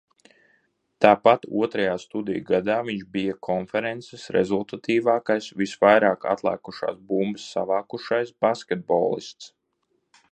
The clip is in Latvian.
Tāpat otrajā studiju gadā viņš bija konferences rezultatīvākis, visvairāk atlēkušās bumbas savākušais basketbolists.